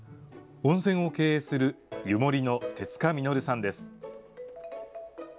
温泉を経営する湯守の手塚実さんです。